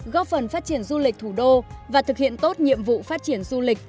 góp phần phát triển du lịch thủ đô và thực hiện tốt nhiệm vụ phát triển du lịch